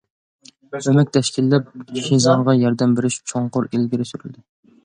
——« ئۆمەك تەشكىللەپ» شىزاڭغا ياردەم بېرىش چوڭقۇر ئىلگىرى سۈرۈلدى.